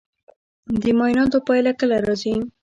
د معایناتو پایله کله راځي؟